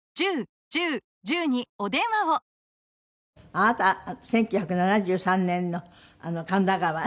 あなた１９７３年の『神田川』